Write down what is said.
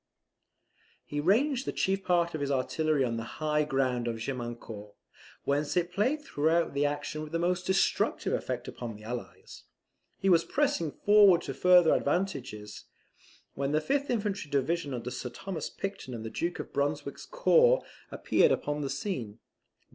He ranged the chief part of his artillery on the high ground of Gemiancourt, whence it played throughout the action with most destructive effect upon the Allies. He was pressing forward to further advantages, when the fifth infantry division under Sir Thomas Picton and the Duke of Brunswick's corps appeared upon the scene.